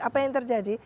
apa yang terjadi